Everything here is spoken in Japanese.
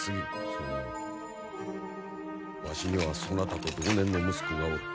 それにわしにはそなたと同年の息子がおる。